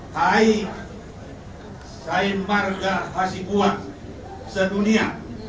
saya saya merga khas ibuan sedunia